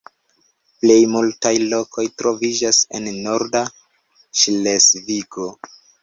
Plej multaj lokoj troviĝas en norda Ŝlesvigo.